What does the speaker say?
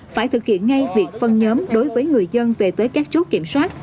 phải thực hiện ngay việc phân nhóm đối với người dân về tới các chốt kiểm soát